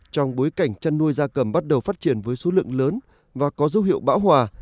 trong bối cảnh chăn nuôi da cầm bắt đầu phát triển với số lượng lớn và có dấu hiệu bão hòa